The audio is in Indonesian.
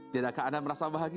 tidakkah anda merasa bahagia